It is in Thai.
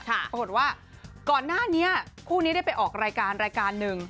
ปรากฏว่าก่อนหน้านี้คู่นี้ได้ไปออกรายการรายการหนึ่ง